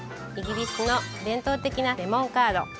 イギリスの伝統的なレモンカード。